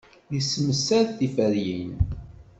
Yessemsad tiferyin.